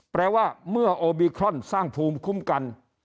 แปลว่าเมื่อโอบิครอนสร้างภูมิคุ้มกัน